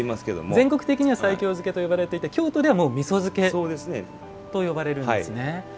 全国的には西京漬けと呼ばれていて京都ではみそ漬けと呼ばれるんですね。